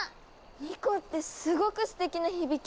二胡ってすごくすてきな響き！